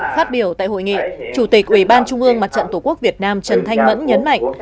phát biểu tại hội nghị chủ tịch ủy ban trung ương mặt trận tổ quốc việt nam trần thanh mẫn nhấn mạnh